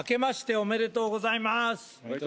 おめでとうございます。